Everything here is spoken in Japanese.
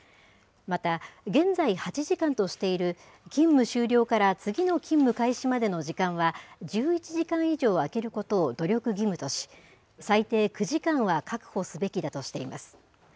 また現在８時間としている、勤務終了から次の勤務開始までの時間は、１１時間以上空けることを努力義務とし、最低９時間は確保すべきだとしています。